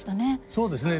そうですね。